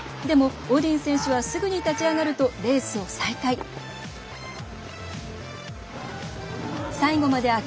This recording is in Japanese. でもオディン選手はすぐに立ち上がるとレースを再開します。